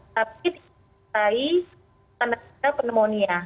tapi dipercayai tanda tanda pneumonia